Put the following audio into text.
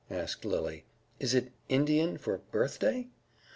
asked Lily. "Is it Indian for birthday?"